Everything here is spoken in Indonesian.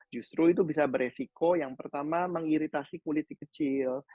justru itu bisa beresiko yang pertama mengiritasi kulit si kecil